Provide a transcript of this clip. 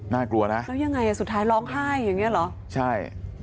น่ากลัวนะแล้วยังไงอ่ะสุดท้ายร้องไห้อย่างเงี้เหรอใช่